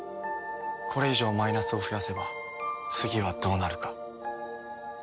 これ以上マイナスを増やせば次はどうなるか。